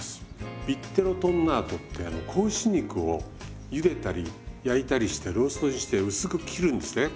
ビッテロトンナートってあの子牛肉をゆでたり焼いたりしてローストにして薄く切るんですね。